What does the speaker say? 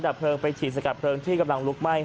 ดับเพลิงไปฉีดสักกับเพลิงที่กำลังทำให้ออกมา